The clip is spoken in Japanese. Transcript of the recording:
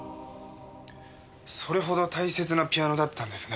それほど大切なピアノだったんですね。